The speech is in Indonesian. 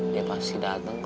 ya pasti dateng